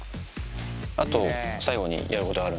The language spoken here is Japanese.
あと。